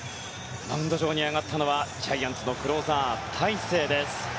マウンド上に上がったのはジャイアンツのクローザー大勢です。